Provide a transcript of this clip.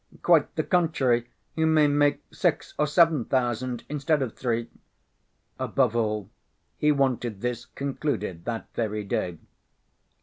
Quite the contrary, you may make six or seven thousand instead of three." Above all, he wanted this concluded that very day.